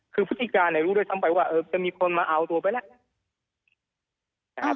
คือพฤติการเนี่ยรู้ด้วยซ้ำไปว่าจะมีคนมาเอาตัวไปแล้วนะครับ